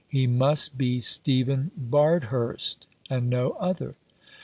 He must be Stephen Bardhurst, and no other.